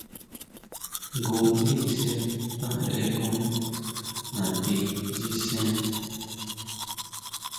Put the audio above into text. Jngu ndi nise kajeʼe konna nati nyisen.